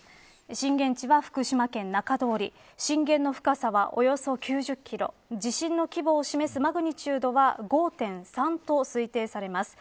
震源地は、福島県中通り震源の深さは、およそ９０キロ地震の規模を示すマグニチュードは５．３と推定されます。